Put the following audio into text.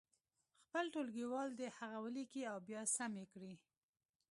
خپل ټولګیوال دې هغه ولیکي او بیا سم یې کړي.